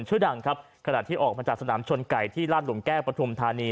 ขนาดที่ออกมาจากสนามชนไก่ที่ร่านหลุมแก้ประธุมธานี